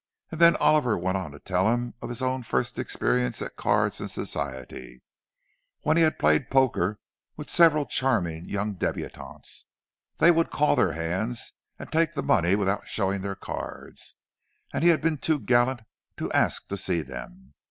'" And then Oliver went on to tell him of his own first experience at cards in Society, when he had played poker with several charming young débutantes; they would call their hands and take the money without showing their cards, and he had been too gallant to ask to see them.